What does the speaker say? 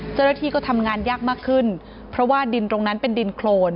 เจ้าหน้าที่ก็ทำงานยากมากขึ้นเพราะว่าดินตรงนั้นเป็นดินโครน